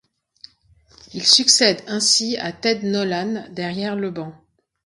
Il succède ainsi à Ted Nolan derrière le banc.